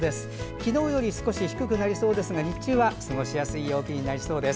昨日より少し低くなりそうですが日中は過ごしやすい陽気になりそうです。